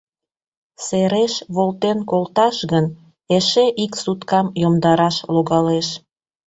Сереш волтен колташ гын, эше ик суткам йомдараш логалеш.